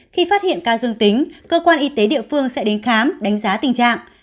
khi phát hiện ca dương tính cơ quan y tế địa phương sẽ đến khám đánh giá tình trạng